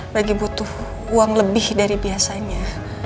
lagi butuh uang lebih dari biasanya